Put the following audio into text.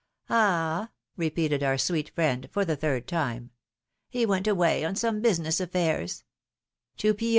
'^Ah repeated our sweet friend for the third time. He went away on some business affairs.^^ ^'To Pieux?